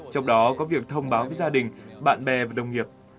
trong đó có việc thông báo với gia đình bạn bè và đồng nghiệp